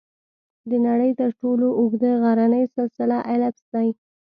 د نړۍ تر ټولو اوږده غرني سلسله الپس ده.